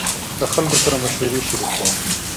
له خلکو سره مشورې شريکوم.